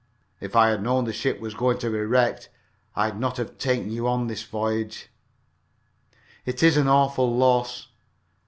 "If I had known my ship was going to be wrecked I'd not have taken you on this voyage." "It is an awful loss."